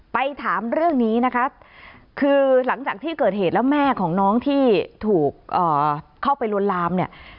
ไปถามเรื่องนี้นะคะคือหลังจากที่เกิดเหตุแล้วแม่ของน้องที่ถูกเข้าไปลวนลามเนี่ย